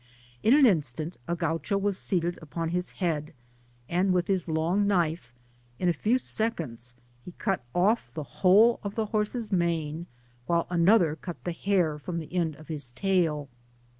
In an instant a Gaucho was seated upon his head, and with his long knife in a few seconds he cut off the whole of the horse's mane, while another cut the hair from the end of his tail.